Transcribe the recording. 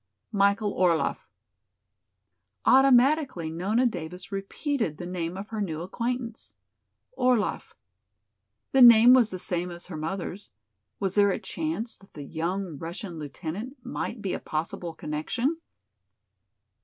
"Michael Orlaff." Automatically Nona Davis repeated the name of her new acquaintance. "Orlaff." The name was the same as her mother's. Was there a chance that the young Russian lieutenant might be a possible connection?